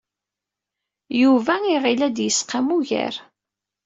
Yuba iɣil ad d-yesqam ugar.